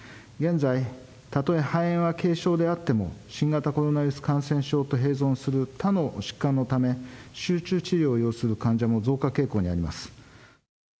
現在、たとえ肺炎は軽症であっても、新型コロナウイルス感染症と併存する他の疾患のため、集中治療を要する患者も増加傾向にあります。